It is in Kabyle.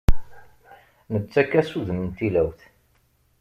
Nettakk-as udem n tilawt.